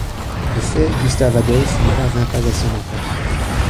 De fait, Gustave-Adolphe ne parvint pas à s'en emparer.